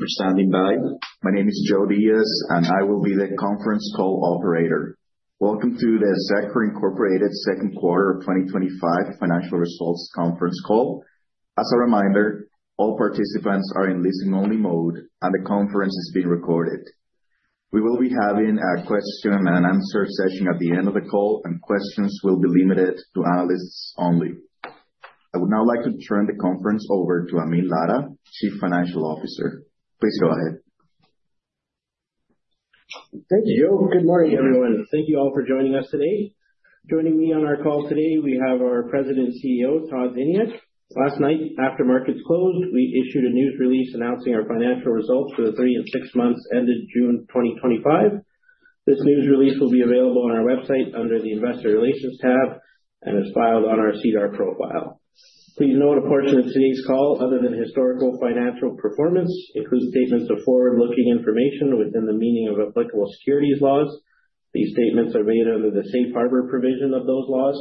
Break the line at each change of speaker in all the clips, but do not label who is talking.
Good afternoon, everyone. My name is Joe Diaz, and I will be the conference call operator. Welcome to the Zedcor Incorporated Second Quarter of 2025 Financial Results Conference Call. As a reminder, all participants are in listening-only mode, and the conference is being recorded. We will be having a question and answer session at the end of the call, and questions will be limited to analysts only. I would now like to turn the conference over to Amin Ladha, Chief Financial Officer. Please go ahead.
Thank you, Joe. Good morning, everyone. Thank you all for joining us today. Joining me on our call today, we have our President and CEO, Todd Ziniuk. Last night, after markets closed, we issued a news release announcing our financial results for the three and six months ending June 2025. This news release will be available on our website under the Investor Relations tab and is filed on our SEDAR profile. Please note, a portion of today's call, other than historical financial performance, includes statements of forward-looking information within the meaning of applicable securities laws. These statements are made under the safe harbor provision of those laws.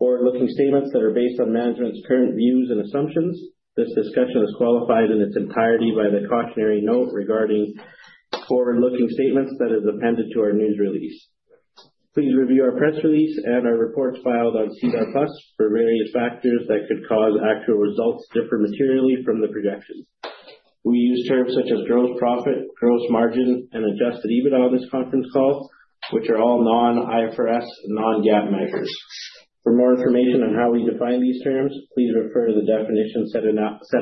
Forward-looking statements are based on management's current views and assumptions. This discussion is qualified in its entirety by the cautionary note regarding forward-looking statements that is appended to our news release. Please review our press release and our report filed on SEDAR+ for various factors that could cause actual results to differ materially from the projection. We use terms such as gross profit, gross margin, and adjusted EBITDA on this conference call, which are all non-IFRS, non-GAAP measures. For more information on how we define these terms, please refer to the definitions set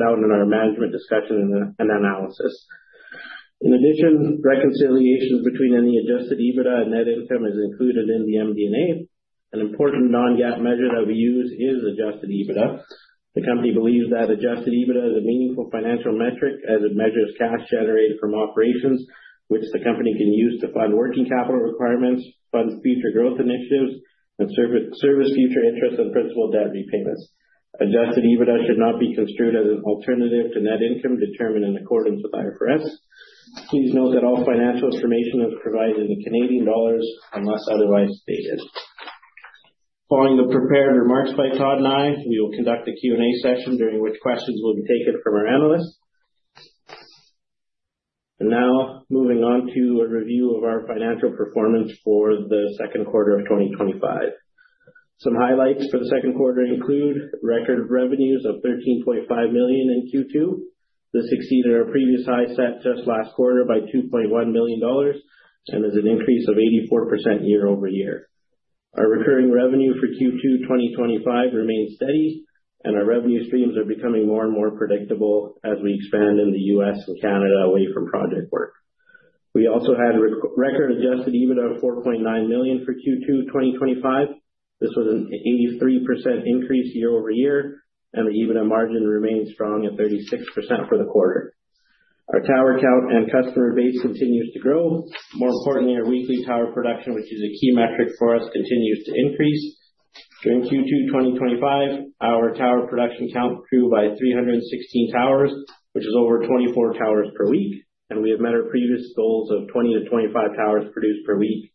out in our management discussion and analysis. In addition, reconciliation between any adjusted EBITDA and net income is included in the MD&A. An important non-GAAP measure that we use is adjusted EBITDA. The company believes that adjusted EBITDA is a meaningful financial metric as it measures cash generated from operations, which the company can use to fund working capital requirements, fund future growth initiatives, and service future interest and principal debt repayments. Adjusted EBITDA should not be construed as an alternative to net income determined in accordance with IFRS. Please note that all financial information is provided in Canadian dollars unless otherwise stated. Following the prepared remarks by Todd and I, we will conduct a Q&A session during which questions will be taken from our analysts. Now, moving on to a review of our financial performance for the second quarter of 2025. Some highlights for the second quarter include record revenues of 13.5 million in Q2. This exceeded our previous high set just last quarter by 2.1 million dollars and is an increase of 84% year-over-year. Our recurring revenue for Q2 2025 remains steady, and our revenue streams are becoming more and more predictable as we expand in the U.S. and Canada away from project work. We also had record adjusted EBITDA of 4.9 million for Q2 2025. This was an 83% increase year-over-year, and the EBITDA margin remains strong at 36% for the quarter. Our tower count and customer base continues to grow. More importantly, our weekly tower production, which is a key metric for us, continues to increase. During Q2 2025, our tower production count grew by 316 towers, which is over 24 towers per week, and we have met our previous goals of 20 towers-25 towers produced per week.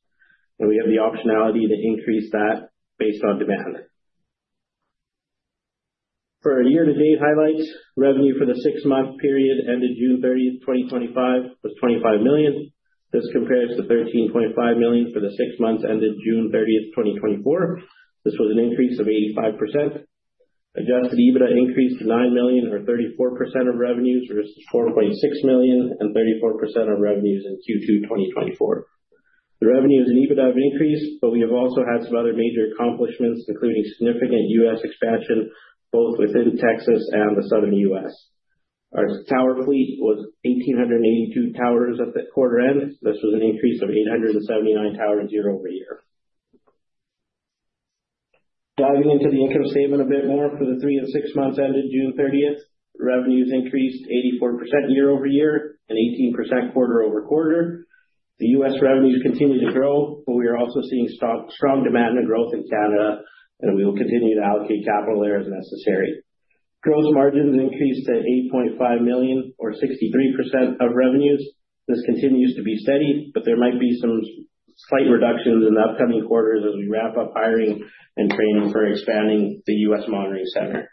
We have the optionality to increase that based on demand. For our year-to-date highlights, revenue for the six-month period ended June 30, 2025, was 25 million. This compares to 13.5 million for the six months ended June 30th 2024. This was an increase of 85%. Adjusted EBITDA increased to 9 million, or 34% of revenues, versus 4.6 million and 34% of revenues in Q2 2024. The revenues and EBITDA have increased, but we have also had some other major accomplishments, including significant U.S. expansion, both within Texas and the Southern U.S. Our tower fleet was 1,882 towers at the quarter end. This was an increase of 879 towers year-over-year. Diving into the income statement a bit more for the three and six months ended June 30th, revenues increased 84% year-over-year and 18% quarter over quarter. The U.S. revenues continue to grow, but we are also seeing strong demand and growth in Canada, and we will continue to allocate capital there as necessary. Gross margins increased to 8.5 million, or 63% of revenues. This continues to be steady, but there might be some slight reductions in the upcoming quarters as we wrap up hiring and training for expanding the U.S. Monitoring Center.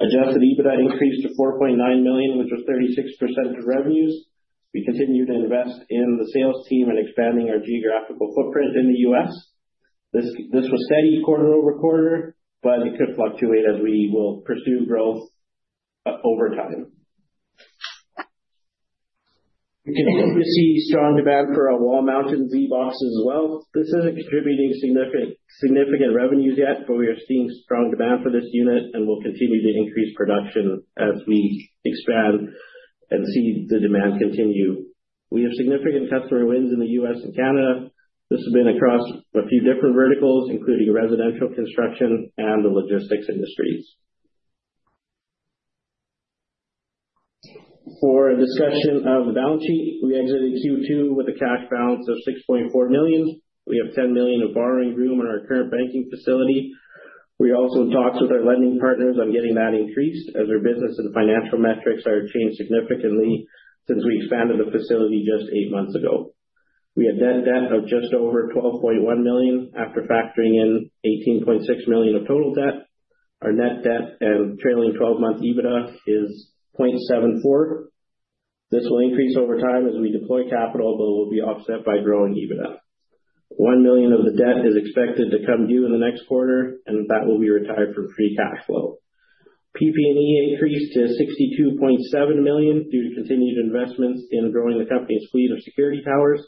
Adjusted EBITDA increased to 4.9 million, which was 36% of revenues. We continue to invest in the sales team and expanding our geographical footprint in the U.S. This was steady quarter over quarter, but it could fluctuate as we will pursue growth over time. We can see strong demand for our Wall Mountain ZBox as well. This isn't contributing significant revenues yet, but we are seeing strong demand for this unit and will continue to increase production as we expand and see the demand continue. We have significant customer wins in the U.S. and Canada. This has been across a few different verticals, including residential construction and the logistics industries. For a discussion of the balance sheet, we exited Q2 with a cash balance of 6.4 million. We have 10 million of borrowing room in our current banking facility. We are also in talks with our lending partners on getting that increased as our business and financial metrics have changed significantly since we expanded the facility just eight months ago. We had a debt of just over 12.1 million after factoring in 18.6 million of total debt. Our net debt and trailing 12-month EBITDA is 0.74. This will increase over time as we deploy capital, but will be offset by growing EBITDA. 1 million of the debt is expected to come due in the next quarter, and that will be retired from free cash flow. PP&E increased to 62.7 million due to continued investments in growing the company's fleet of security towers.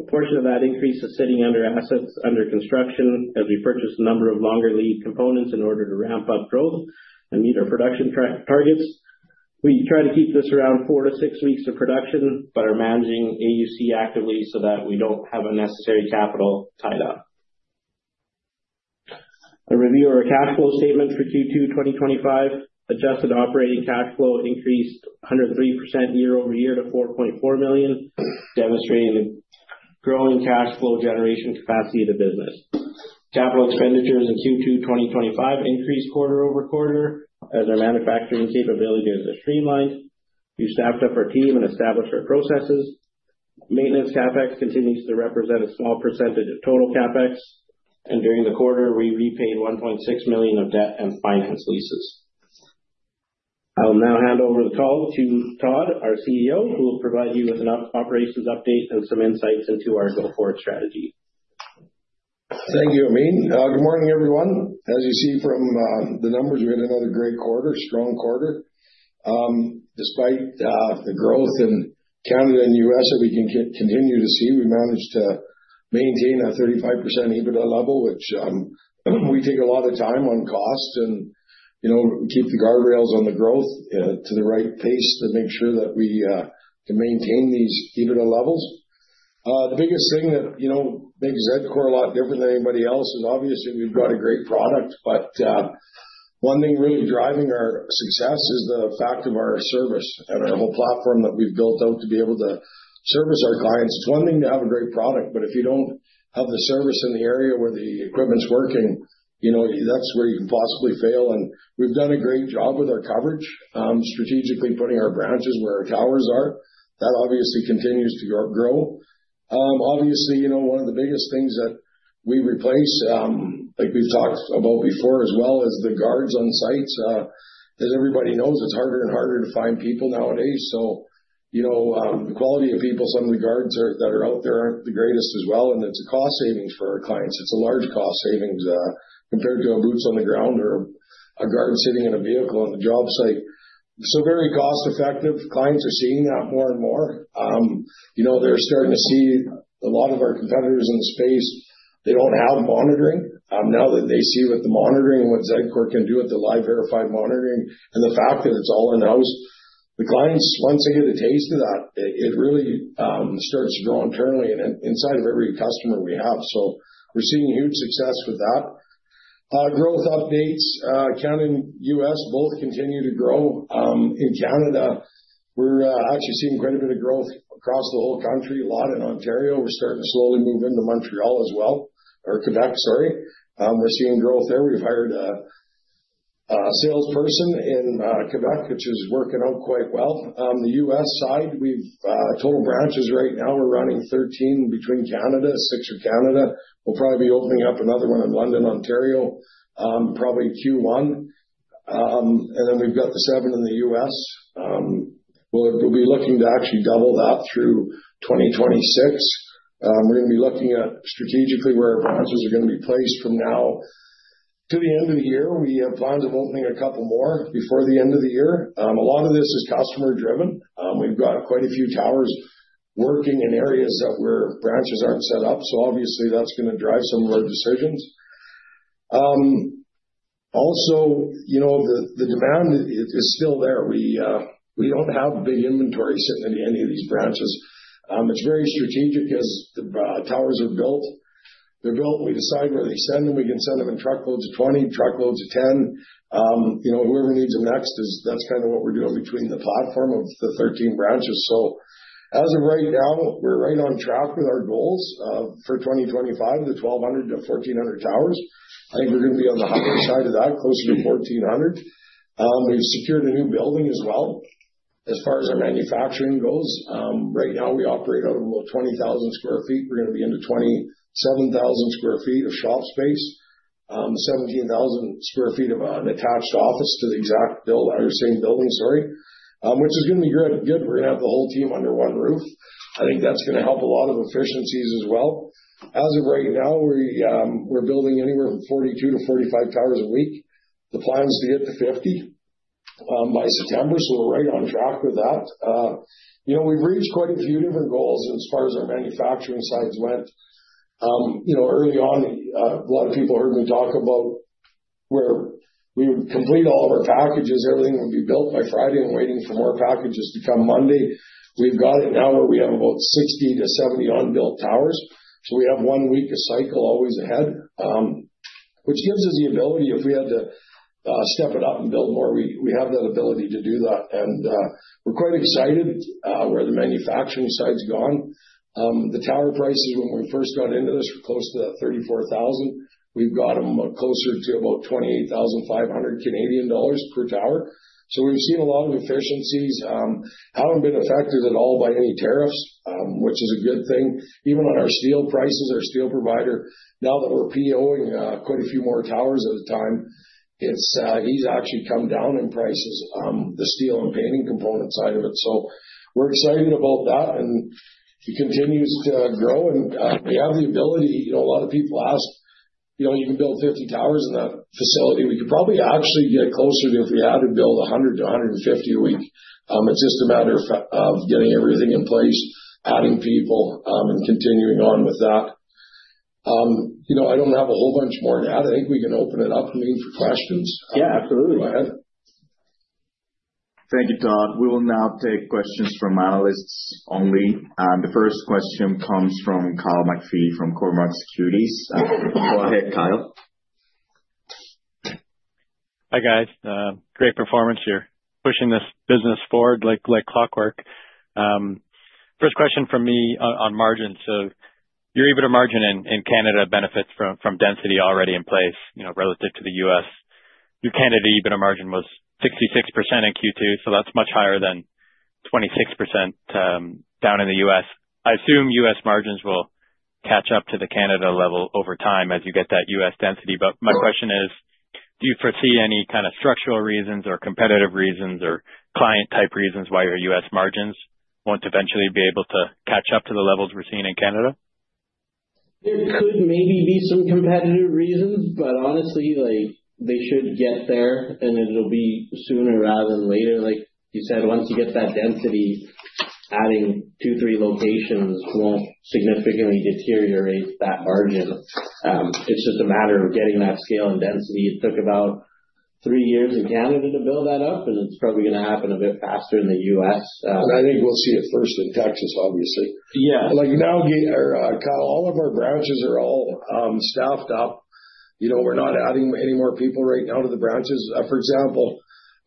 A portion of that increase is sitting under assets under construction as we purchase a number of longer lead components in order to ramp up growth and meet our production targets. We try to keep this around four to six weeks of production, but are managing AUC actively so that we don't have unnecessary capital tied up. A review of our cash flow statement for Q2 2025, adjusted operating cash flow increased 103% year-over-year to 4.4 million, demonstrating a growing cash flow generation capacity of the business. Capital expenditure in the Q2 2025 increased quarter over quarter as our manufacturing capability has been streamlined. We staffed up our team and established our processes. Maintenance CapEx continues to represent a small percentage of total CapEx, and during the quarter, we repaid $1.6 million of debt and financed leases. I will now hand over the call to Todd, our CEO, who will provide you with an operations update and some insights into our go forward strategy.
Thank you, Amin. Good morning, everyone. As you see from the numbers, we had another great quarter, strong quarter. Despite the growth in Canada and the U.S. that we can continue to see, we managed to maintain our 35% EBITDA level, which we take a lot of time on cost and, you know, keep the guardrails on the growth to the right pace to make sure that we can maintain these EBITDA levels. The biggest thing that makes Zedcor a lot different than anybody else is obviously we've got a great product, but one thing really driving our success is the fact of our service and our whole platform that we've built out to be able to service our clients. It's one thing to have a great product, but if you don't have the service in the area where the equipment's working, that's where you can possibly fail. We've done a great job with our coverage, strategically putting our branches where our towers are. That obviously continues to grow. Obviously, one of the biggest things that we replace, like we've talked about before, as well as the guards on sites, that everybody knows, it's harder and harder to find people nowadays. The quality of people, some of the guards that are out there aren't the greatest as well, and it's a cost savings for our clients. It's a large cost savings, compared to a boots on the ground or a guard sitting in a vehicle on the job site. Very cost-effective. Clients are seeing that more and more. They're starting to see a lot of our competitors in the space. They don't have monitoring. Now that they see with the monitoring what Zedcor can do with the Live Verifed monitoring and the fact that it's all in-house, the clients, once they get a taste of that, it really starts to draw apparently inside of every customer we have. We're seeing huge success with that. Growth updates, Canada and the U.S. both continue to grow. In Canada, we're actually seeing quite a bit of growth across the whole country, a lot in Ontario. We're starting to slowly move into Montreal as well, or Québec, sorry. We're seeing growth there. We've hired a salesperson in Québec, which is working out quite well. The U.S. side, we've total branches right now, we're running 13 between Canada, six in Canada. We'll probably be opening up another one in London, Ontario, probably Q1. Then we've got the seven in the U.S. We'll be looking to actually double that through 2026. We're going to be looking at strategically where our branches are going to be placed from now to the end of the year. We have planned on opening a couple more before the end of the year. A lot of this is customer-driven. We've got quite a few towers working in areas where branches aren't set up. Obviously, that's going to drive some of our decisions. Also, the demand is still there. We don't have a big inventory sitting in any of these branches. It's very strategic as the towers are built. They're built, we decide where to send them. We can send them in truckloads of 20, truckloads of 10. Whoever needs them next, that's kind of what we're doing between the platform of the 13 branches. As of right now, we're right on track with our goals for 2025, the 1,200 to 1,400 towers. I think we're going to be on the hotter side of that, closer to 1,400. We secured a new building as well. As far as our manufacturing goes, right now we operate out of about 20,000 sq ft. We're going to be into 27,000 sq ft of shop space, 17,000 sq ft of an attached office to the exact build, our same building story, which is going to be good. We're going to have the whole team under one roof. I think that's going to help a lot of efficiencies as well. As of right now, we're building anywhere from 42 towers-45 towers a week. The plan is to get to 50 by September. We're right on track with that. We've reached quite a few different goals as far as our manufacturing sites went. Early on, a lot of people heard me talk about where we would complete all of our packages. Everything would be built by Friday and waiting for more packages to come Monday. We've got it now where we have about 60-70 unbuilt towers. We have one week to cycle always ahead, which gives us the ability, if we had to, to step it up and build more. We have that ability to do that. We're quite excited where the manufacturing side's gone. The tower prices when we first got into this were close to that 34,000. We've got them closer to about 28,500 Canadian dollars per tower. We've seen a lot of efficiencies. Haven't been affected at all by any tariffs, which is a good thing. Even on our steel prices, our steel provider, now that we're PO-ing quite a few more towers at a time, has actually come down in prices, the steel and painting component side of it. We're excited about that. If you continue to grow and you have the ability, you know, a lot of people ask, you know, you can build 50 towers in that facility. We could probably actually get closer to, if we had to, build 100-150 a week. It's just a matter of getting everything in place, adding people, and continuing on with that. I don't have a whole bunch more to add. I think we can open it up for questions.
Yeah, absolutely.
Go ahead.
Thank you, Todd. We will now take questions from analysts only. The first question comes from Kyle McPhee from Cormark Securities. Go ahead, Kyle.
Hi guys. Great performance here. Pushing this business forward like clockwork. First question from me on margins. Your EBITDA margin in Canada benefits from density already in place, you know, relative to the U.S. Your Canada EBITDA margin was 66% in Q2, so that's much higher than 26% down in the U.S. I assume U.S. margins will catch up to the Canada level over time as you get that U.S. density. My question is, do you foresee any kind of structural reasons or competitive reasons or client-type reasons why your U.S. margins won't eventually be able to catch up to the levels we're seeing in Canada?
There could maybe be some competitive reasons, but honestly, like they should get there and it'll be sooner rather than later. Like you said, once you get that density, adding two, three locations won't significantly deteriorate that margin. It's just a matter of getting that scale and density. It took about three years in Canada to build that up, and it's probably going to happen a bit faster in the U.S.
I think we'll see it first in Texas, obviously.
Yeah.
Like now, Kyle, all of our branches are all staffed up. We're not adding any more people right now to the branches. For example,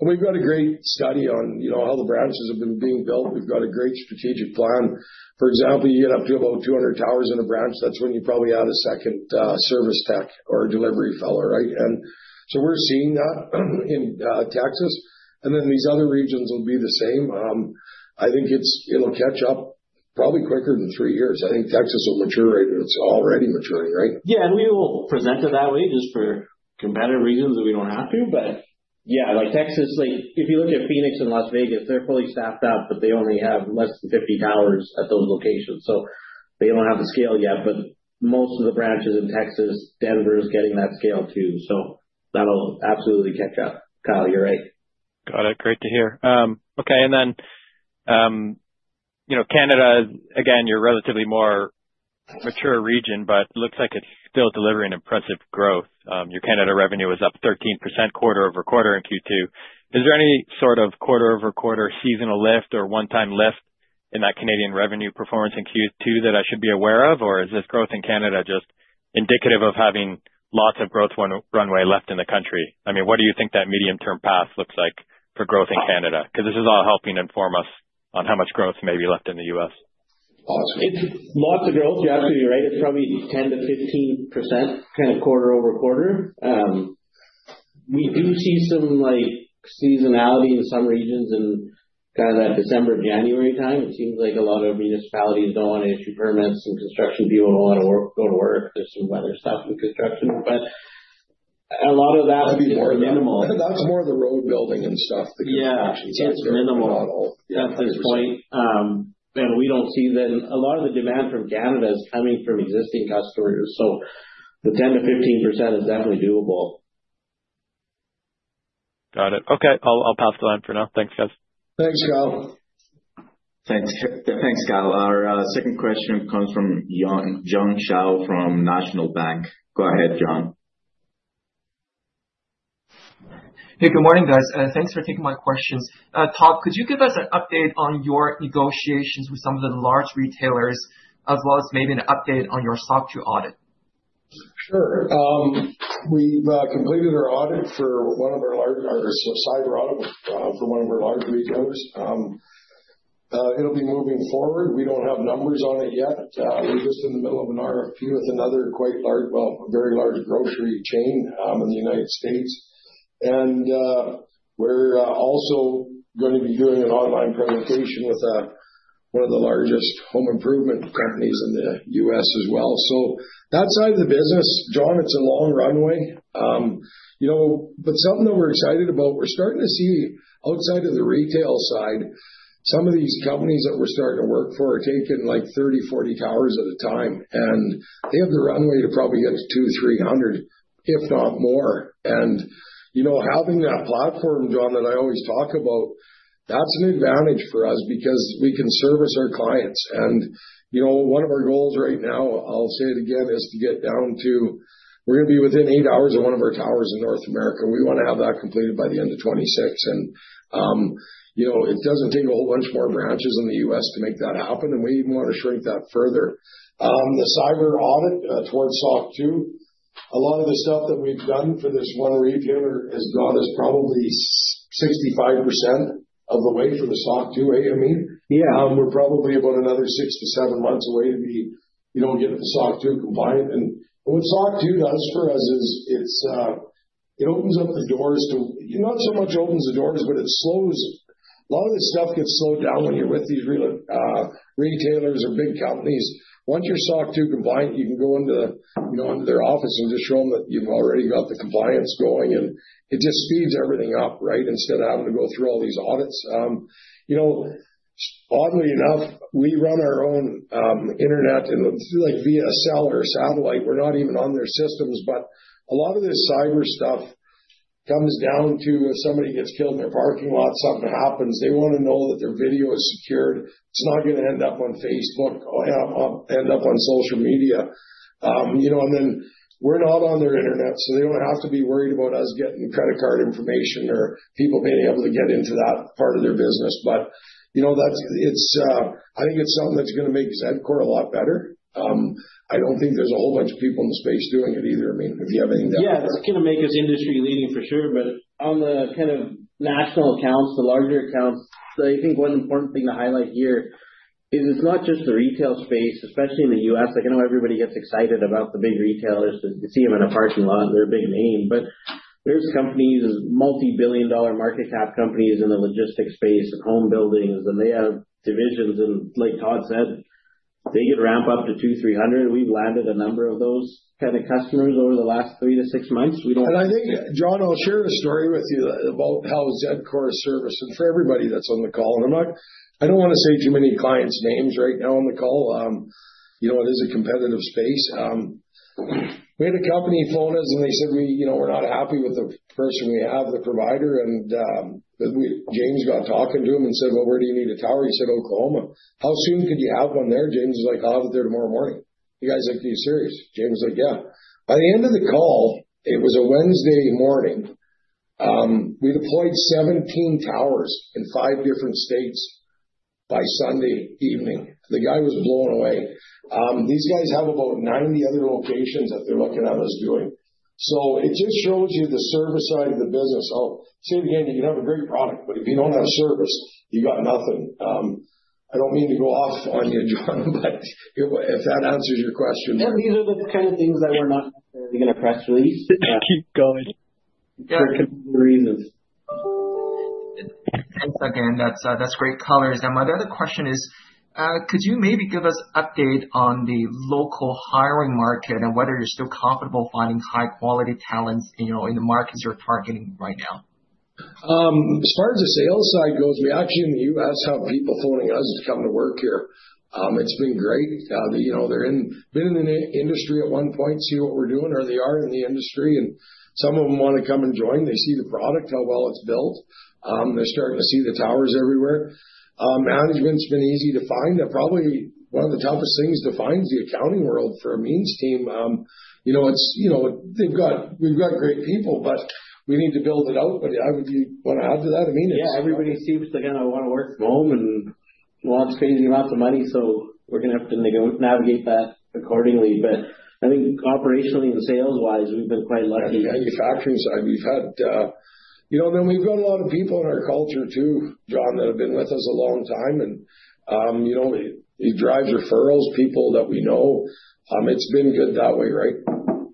we've got a great study on how the branches have been being built. We've got a great strategic plan. For example, you end up building 200 towers in a branch, that's when you probably add a second service tech or delivery fellow, right? We're seeing that in Texas. These other regions will be the same. I think it'll catch up probably quicker than three years. I think Texas will mature, right, and it's already maturing, right?
We will present it that way just for competitive reasons that we don't have to. Like Texas, if you look at Phoenix and Las Vegas, they're fully staffed up, but they only have less than 50 towers at those locations. They don't have the scale yet, but most of the branches in Texas, Denver is getting that scale too. That'll absolutely catch up, Kyle, you're right.
Got it. Great to hear. Okay, Canada, again, you're a relatively more mature region, but it looks like it's still delivering impressive growth. Your Canada revenue was up 13% quarter over quarter in Q2. Is there any sort of quarter over quarter seasonal lift or one-time lift in that Canadian revenue performance in Q2 that I should be aware of, or is this growth in Canada just indicative of having lots of growth runway left in the country? What do you think that medium-term path looks like for growth in Canada? This is all helping inform us on how much growth may be left in the U.S.
Lots of growth, Jeff, you're right. It's probably 10%-15% kind of quarter over quarter. We do see some seasonality in some regions in kind of that December, January time. It seems like a lot of municipalities don't want to issue permits and construction people don't want to go to work. There's some other stuff with construction, but a lot of that would be more minimal.
That's more of the road building and stuff.
Yeah, it's minimal at all. That's a good point. We don't see that a lot of the demand from Canada is coming from existing customers, so the 10%-15% is definitely doable.
Got it. Okay, I'll pass the line for now. Thanks, guys.
Thanks, Kyle.
Thanks, Kyle. Our second question comes from John Zhang from National Bank. Go ahead, John.
Hey, good morning, guys. Thanks for taking my questions. Todd, could you give us an update on your negotiations with some of the large retailers, as well as maybe an update on your SOC 2 audit?
We've completed our audits for one of our large, or it's a cyber audit for one of our large retailers. It'll be moving forward. We don't have numbers on it yet. We're just in the middle of an RFP with another quite large, very large grocery chain in the United States. We're also going to be doing an online presentation with one of the largest home improvement companies in the U.S. as well. That side of the business, John, it's a long runway, but something that we're excited about. We're starting to see outside of the retail side, some of these companies that we're starting to work for are taking like 30, 40 towers at a time. They have the runway to probably get us 200, 300, if not more. Having that platform, John, that I always talk about, that's an advantage for us because we can service our clients. One of our goals right now, I'll say it again, is to get down to, we're going to be within eight hours of one of our towers in North America. We want to have that completed by the end of 2026. It doesn't take a whole bunch more branches in the U.S. to make that happen. We even want to shrink that further. The cyber audit, towards SOC 2, a lot of the stuff that we've done for this one region has brought us probably 65% of the way for the SOC 2, right, Amin?
Yeah.
We're probably about another six to seven months away to be, you know, get the SOC 2 compliant. What SOC 2 does for us is, it opens up the doors to, not so much opens the doors, but a lot of this stuff gets slowed down when you're with these real retailers or big companies. Once you're SOC 2 compliant, you can go into their office and just show them that you've already got the compliance going. It just speeds everything up, right, instead of having to go through all these audits. Oddly enough, we run our own internet, and it's like via cell or satellite. We're not even on their systems, but a lot of this cyber stuff comes down to if somebody gets killed in their parking lot, something happens, they want to know that their video is secured. It's not going to end up on Facebook, end up on social media. We're not on their internet, so they don't have to be worried about us getting credit card information or people being able to get into that part of their business. I think it's something that's going to make Zedcor a lot better. I don't think there's a whole bunch of people in the space doing it either. Amin, if you have anything.
Yeah, it's going to make us industry leading for sure, on the kind of national accounts, the larger accounts. I think one important thing to highlight here is it's not just the retail space, especially in the U.S. I know everybody gets excited about the big retailers that you see them in a parking lot. They're a big name, but there's companies of multi-billion dollar market cap companies in the logistics space, home buildings, and they have divisions. Like Todd said, they could ramp up to 200, 300. We've landed a number of those kind of customers over the last three to six months.
I think, John, I'll share a story with you about how Zedcor is servicing for everybody that's on the call. I don't want to say too many clients' names right now on the call. You know, it is a competitive space. We had a company phone us and they said, you know, we're not happy with the person we have, the provider. James got talking to him and said, where do you need a tower? He said, Oklahoma. How soon could you have one there? James was like, I'll have it there tomorrow morning. You guys have to be serious. James was like, yeah. By the end of the call, it was a Wednesday morning. We deployed 17 towers in five different states by Sunday evening. The guy was blown away, and these guys have about 90 other locations that they're looking at us doing. It just shows you the service side of the business. Same here, you can have a great product, but if you don't have service, you've got nothing. I don't mean to go off on you, John, but if that answers your question.
What are the kind of things that we're not really going to press release? Yeah, keep going.
Thanks again. That's great color. My other question is, could you maybe give us an update on the local hiring market and whether you're still comfortable finding high-quality talent in the markets you're targeting right now?
As far as the sales side goes, we actually, in the U.S., have people phoning us to come to work here. It's been great. They're in, been in the industry at one point, see what we're doing, or they are in the industry, and some of them want to come and join. They see the product, how well it's built. They're starting to see the towers everywhere. Management's been easy to find. Probably one of the toughest things to find is the accounting world for Amin's team. We've got great people, but we need to build it out. I would, you want to add to that, Amin?
Yeah, everybody seems to kind of want to work from home and wants a crazy amount of money. We are going to have to navigate that accordingly. I think operationally and sales-wise, we've been quite lucky.
On the manufacturing side, we've had a lot of people in our culture too, John, that have been with us a long time. We drive referrals, people that we know. It's been good that way, right?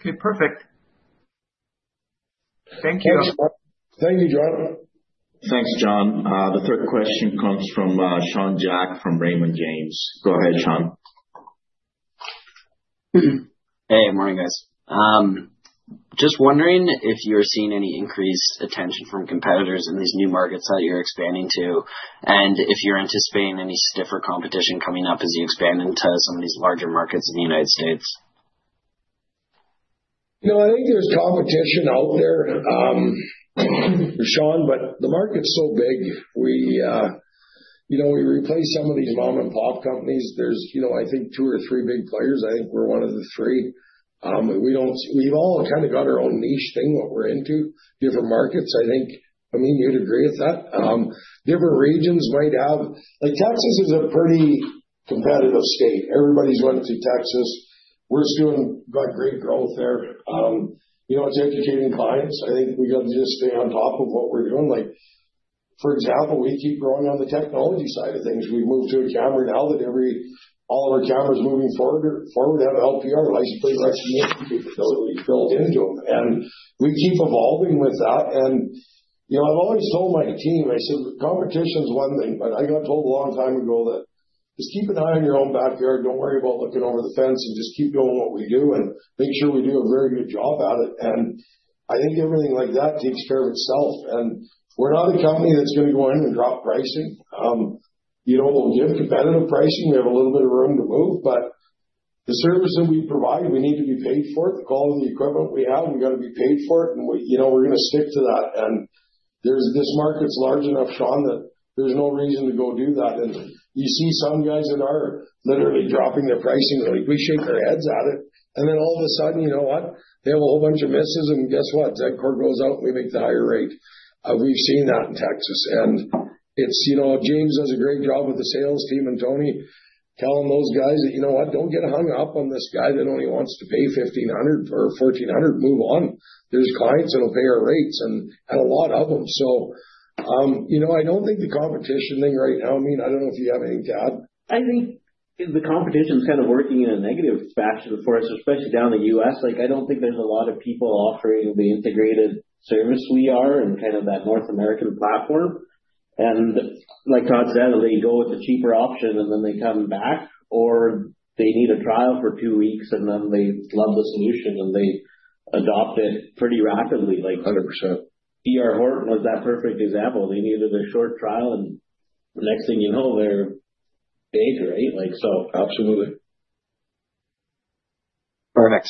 Okay, perfect. Thank you.
Thank you, John.
Thanks, John. The third question comes from Sean Jack from Raymond James. Go ahead, Sean.
Hey, morning guys. Just wondering if you're seeing any increased attention from competitors in these new markets that you're expanding to, and if you're anticipating any stiffer competition coming up as you expand into some of these larger markets in the United States.
I think there's competition out there, Sean, but the market's so big. We replace some of these mom-and-pop companies. There's, I think, two or three big players. I think we're one of the three. We've all kind of got our own niche thing, what we're into, different markets. I think you'd agree with that. Different regions might have, like Texas is a pretty competitive state. Everybody's went to Texas. We're doing, got great growth there. It's educating clients. I think we got to just stay on top of what we're doing. For example, we keep growing on the technology side of things. We've moved to a counter now that all of our counters moving forward have LPR, like facilities built into them. We keep evolving with that. I've always told my team, I said, competition is one thing, but I got told a long time ago that just keep an eye on your own backyard. Don't worry about looking over the fence and just keep doing what we do and make sure we do a very good job at it. I think everything like that takes care of itself. We're not a company that's going to go in and drop pricing. We'll give competitive pricing. We have a little bit of room to move, but the service that we provide, we need to be paid for it. The quality of the equipment we have is going to be paid for it. We're going to stick to that. This market is large enough, Sean, that there's no reason to go do that. You see some guys that are literally dropping their pricing. We shake our heads at it. All of a sudden, you know what? They have a whole bunch of misses. Guess what? Zedcor goes out and we make the higher rate. We've seen that in Texas. James does a great job with the sales team and Tony, telling those guys that, you know what? Don't get hung up on this guy that only wants to pay 1,500 or 1,400. Move on. There's clients that'll pay our rates and a lot of them. I don't think the competition thing right now. Amin, I don't know if you have anything to add.
I think the competition is kind of working in a negative fashion for us, especially down in the U.S. I don't think there's a lot of people offering the integrated service we are and that North American platform. Like Todd said, they go with the cheaper option and then they come back or they need a trial for two weeks and then they love the solution and they adopt it pretty rapidly, like 100%. P.R. Horton is that perfect example. They needed a short trial and next thing you know, they're big, right? Absolutely.
Perfect.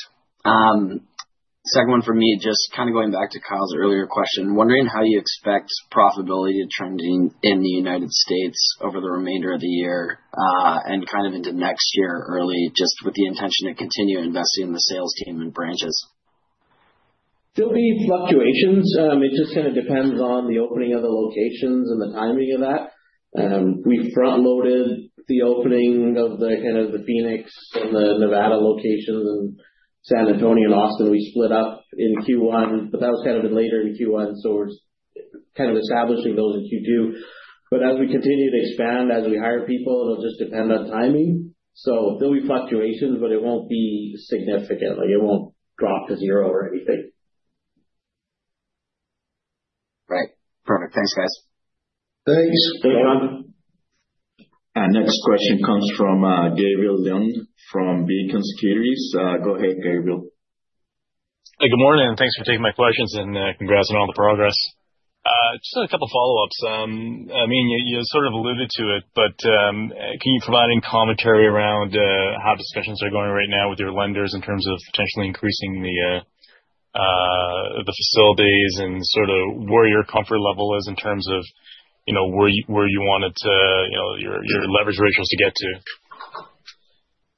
Second one for me, just kind of going back to Kyle's earlier question, wondering how you expect profitability trending in the United States over the remainder of the year, and kind of into next year early, just with the intention to continue investing in the sales team and branches.
Still see fluctuations. It just kind of depends on the opening of the locations and the timing of that. We front-loaded the opening of the Phoenix and the Nevada locations and San Antonio and Austin. We split up in Q1, but that was later in Q1. We're kind of establishing those in Q2. As we continue to expand, as we hire people, it'll just depend on timing. There'll be fluctuations, but it won't be significant. It won't drop to zero or anything.
Perfect. Thanks, guys.
Thanks.
Thanks, John.
Our next question comes from Gabriel Leung from Beacon Securities. Go ahead, Gabriel.
Hey, good morning. Thanks for taking my questions and congrats on all the progress. Just a couple of follow-ups. You sort of alluded to it, but can you provide any commentary around how discussions are going right now with your lenders in terms of potentially increasing the facilities and where your comfort level is in terms of where you wanted your leverage ratios to get to?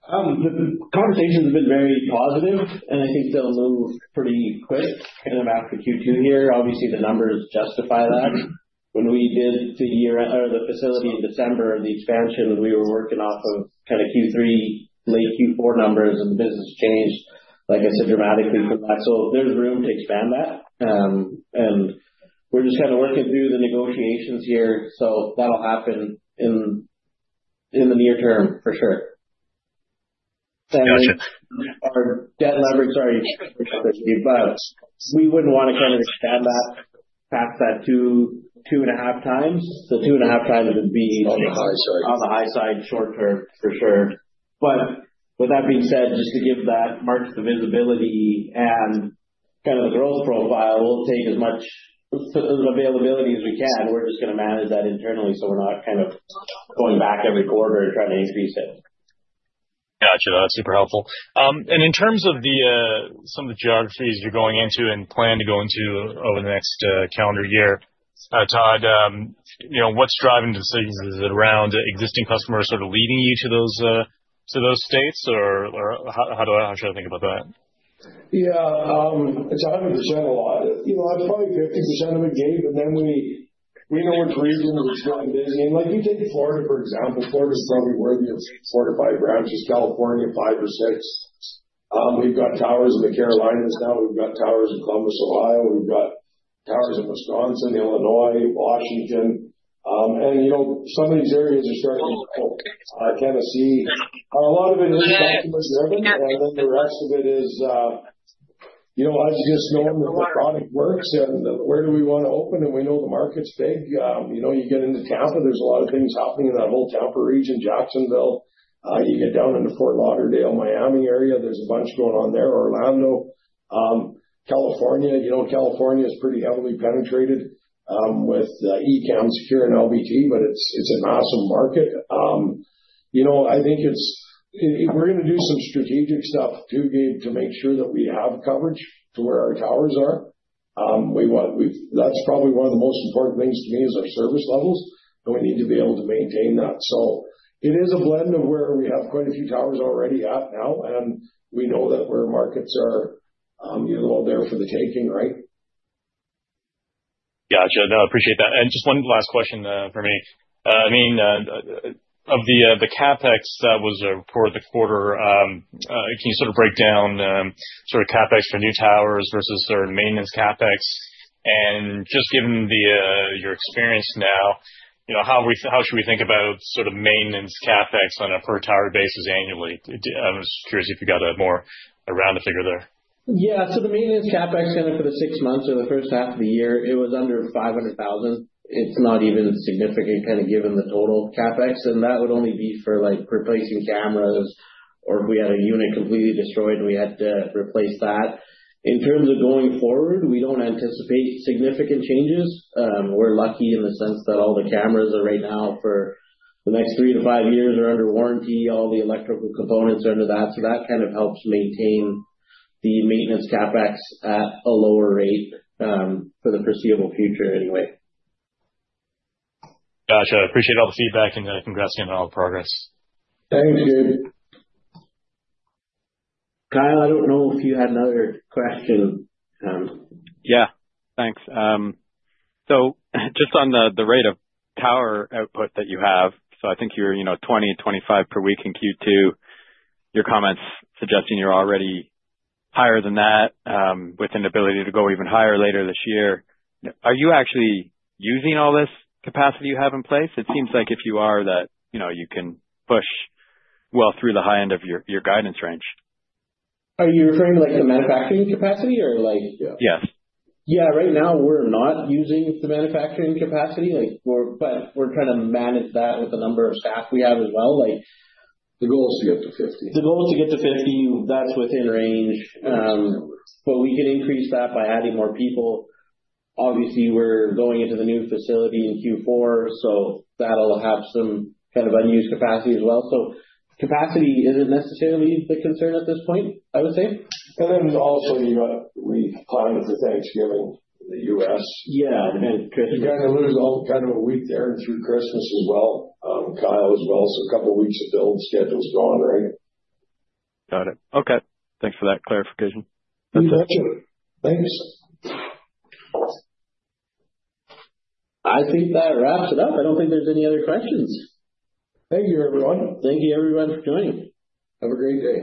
The conversation has been very positive, and I think they'll move pretty quick after Q2 here. Obviously, the numbers justify that. When we did the year of the facility in December, the expansion, we were working off of Q3, late Q4 numbers, and the business changed, like I said, dramatically from that. There's room to expand that, and we're just working through the negotiations here. That'll happen in the near term for sure. Our debt leverage, sorry, we wouldn't want to extend that past that 2.5x. 2.5x would be on the high side, on the high side short-term preferred. With that being said, just to give that market the visibility and the growth profile, we'll take as much availability as we can. We're just going to manage that internally, so we're not going back every quarter and trying to increase it.
Gotcha. That's super helpful. In terms of some of the geographies you're going into and plan to go into over the next calendar year, Todd, what's driving decisions around existing customers sort of leading you to those states? How should I think about that?
Yeah, it's 100% a lot. I'd probably say it's a tournament game, but we know which regions are driving it. You take Florida, for example. Florida is probably worthy of four to five branches, California, five or six. We've got towers in the Carolinas now. We've got towers in Columbus, Ohio. We've got towers in Wisconsin, Illinois, Washington. Some of these areas you start with, Tennessee. A lot of it isn't that much driven. I think the rest of it is us just knowing that the product works and where we want to open. We know the market's big. You get into Tampa, there's a lot of things happening in that whole Tampa region, Jacksonville. You get down into Fort Lauderdale, Miami area, there's a bunch going on there, Orlando. California is pretty heavily penetrated, with ECAMSecure and LBT, but it's an awesome market. I think we're going to do some strategic stuff too Gabe to make sure that we have coverage to where our towers are. That's probably one of the most important things to me is our service levels, and we need to be able to maintain that. It is a blend of where we have quite a few towers already at now, and we know that where markets are, they're there for the taking, right?
Gotcha. I appreciate that. Just one last question for me. Of the CapEx that was reported the quarter, can you sort of break down CapEx for new towers versus maintenance CapEx Just given your experience now, how should we think about maintenance CapEx on a per-tower basis annually? I'm just curious if you got a more rounded figure there.
Yeah, the maintenance CapEx for the six months or the first half of the year was under 500,000. It's not even significant given the total CapEx. That would only be for replacing cameras or if we had a unit completely destroyed, we had to replace that. In terms of going forward, we don't anticipate significant changes. We're lucky in the sense that all the cameras right now for the next three to five years are under warranty. All the electrical components are under that. That helps maintain the maintenance CapEx at a lower rate for the foreseeable future anyway.
Gotcha. I appreciate all the feedback and congrats on all the progress.
Thank you.
Kyle, I don't know if you had another question.
Thanks. Just on the rate of tower output that you have, I think you're 20%, 25% per week in Q2. Your comments suggesting you're already higher than that, with an ability to go even higher later this year. Are you actually using all this capacity you have in place? It seems like if you are, you can push well through the high end of your guidance range.
Are you referring to the manufacturing capacity or like?
Yes.
Yeah, right now we're not using the manufacturing capacity, but we're trying to manage that with the number of staff we have as well.
The goal is to get to 50%.
The goal is to get to 50%. That's within range, but we can increase that by adding more people. Obviously, we're going into the new facility in Q4, so that'll have some kind of unused capacity as well. Capacity isn't necessarily the concern at this point, I would say.
All of a sudden, we've climbed to Thanksgiving in the U.S.
Yeah, it could be.
You're going to lose all kind of a week there through Christmas as well, Kyle. A couple of weeks of filled schedules gone, right?
Got it. Okay, thanks for that clarification.
That's it. Thanks.
I think that wraps it up. I don't think there's any other questions.
Thank you, everyone, for joining.
Have a great day.